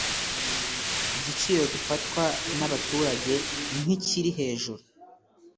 igiciro gifatwa n’abaturage nk’ikiri hejuru